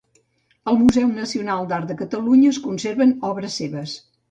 Al Museu Nacional d'Art de Catalunya es conserven obres seves.